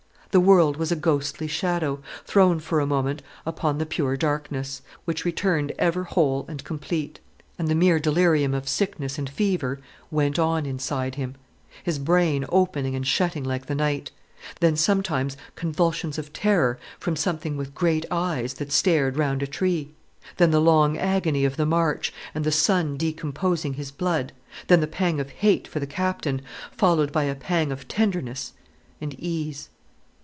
The world was a ghostly shadow, thrown for a moment upon the pure darkness, which returned ever whole and complete. And the mere delirium of sickness and fever went on inside him—his brain opening and shutting like the night—then sometimes convulsions of terror from something with great eyes that stared round a tree—then the long agony of the march, and the sun decomposing his blood—then the pang of hate for the Captain, followed, by a pang of tenderness and ease.